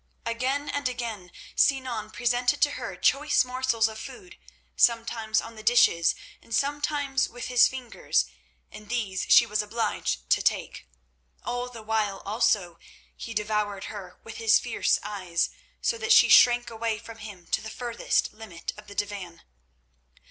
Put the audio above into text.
Again and again Sinan presented to her choice morsels of food, sometimes on the dishes and sometimes with his fingers, and these she was obliged to take. All the while also he devoured her with his fierce eyes so that she shrank away from him to the furthest limit of the divan.